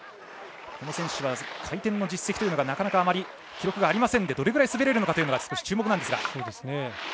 この選手は回転の実績というのがなかなか記録がありませんでどれぐらい滑れるかというのが注目なんですが。